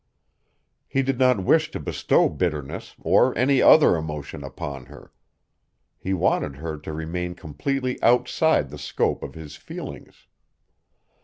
He did not wish to bestow bitterness or any other emotion upon her. He wanted her to remain completely outside the scope of his feelings.